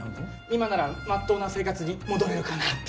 今ならまっとうな生活に戻れるかなって。